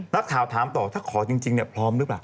นักข่าวถามต่อถ้าขอจริงพร้อมหรือเปล่า